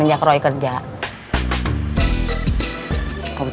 besok akang berangkat ke garut